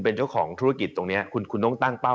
เป็นเจ้าของธุรกิจตรงนี้คุณคุณต้องตั้งเป้า